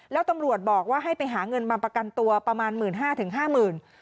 แล้วตำรวจบอกว่าให้ไปหาเงินบังประกันตัวประมาณหมื่นห้าถึงห้าหมื่น